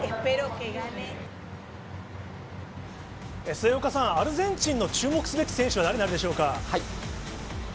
末岡さん、アルゼンチンの注目すべき選手は誰になるでしょうか。